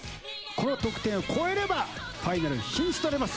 この得点を超えればファイナル進出となります。